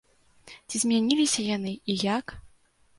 Ці змяніліся яны, і як?